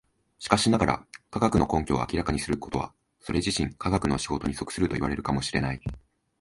しかしながら、科学の根拠を明らかにすることはそれ自身科学の仕事に属するといわれるかも知れない。